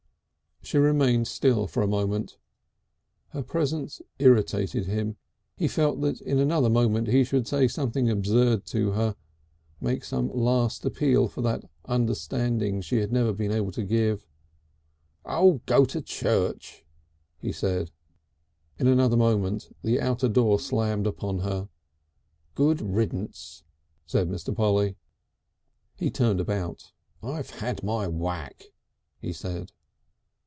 She remained still for a moment. Her presence irritated him. He felt that in another moment he should say something absurd to her, make some last appeal for that understanding she had never been able to give. "Oh! go to church!" he said. In another moment the outer door slammed upon her. "Good riddance!" said Mr. Polly. He turned about. "I've had my whack," he said.